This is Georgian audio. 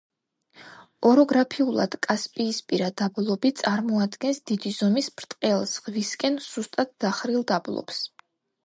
ოროგრაფიულად კასპიისპირა დაბლობი წარმოადგენს დიდი ზომის, ბრტყელ, ზღვისკენ სუსტად დახრილ დაბლობს.